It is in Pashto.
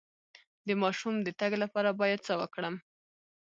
د ماشوم د تګ لپاره باید څه وکړم؟